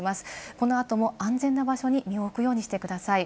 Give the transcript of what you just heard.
この後も安全な場所に身を置くようにしてください。